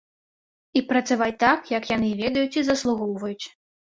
І працаваць так, як яны ведаюць і заслугоўваюць.